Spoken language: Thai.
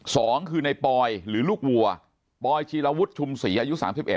สองคือในปลอยหรือลูกวัวปลอยชีระวุฒิชุมศรีอายุ๓๑